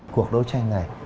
cuộc đối tranh này